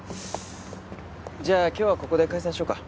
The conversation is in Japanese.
じゃあ今日はここで解散しようか。